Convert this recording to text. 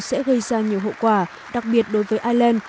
sẽ gây ra nhiều hậu quả đặc biệt đối với ireland